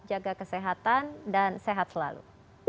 jaga kesehatan dan sehat selalu